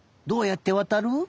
どうやってわたる？